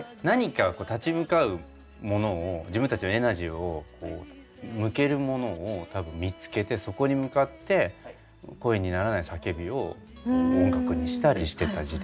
何か立ち向かうものを自分たちのエナジーを向けるものを多分見つけてそこに向かって声にならない叫びを音楽にしたりしてた時代っていう。